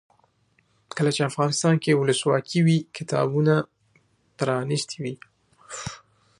کله چې افغانستان کې ولسواکي وي کتابتونونه پرانیستي وي.